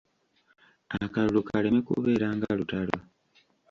Akalulu kaleme kubeera nga lutalo.